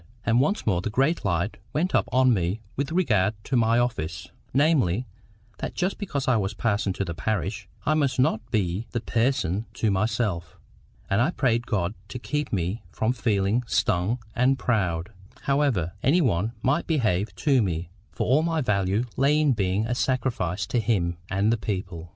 And once more the great light went up on me with regard to my office, namely, that just because I was parson to the parish, I must not be THE PERSON to myself. And I prayed God to keep me from feeling STUNG and proud, however any one might behave to me; for all my value lay in being a sacrifice to Him and the people.